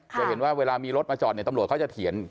จะเห็นว่าเวลามีรถมาจอดเนี่ยตำรวจเขาจะเถียง